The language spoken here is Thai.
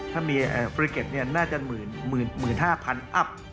ถ้ามีฟรีเก็ตน่าจะ๑๕๐๐อัพ